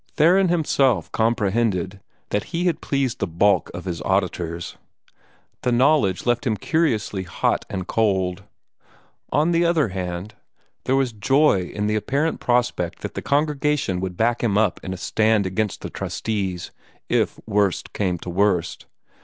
Theron himself comprehended that he had pleased the bulk of his auditors; the knowledge left him curiously hot and cold. On the one hand, there was joy in the apparent prospect that the congregation would back him up in a stand against the trustees, if worst came to worst.